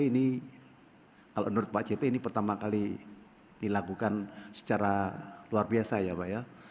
ini kalau menurut pak cete ini pertama kali dilakukan secara luar biasa ya pak ya